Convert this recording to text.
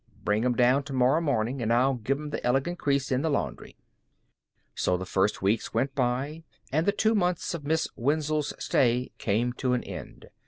Bring 'em down tomorrow mornin' and I'll give 'em th' elegant crease in the laundry." So the first weeks went by, and the two months of Miss Wenzel's stay came to an end.